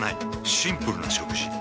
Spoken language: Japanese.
シンプルな食事。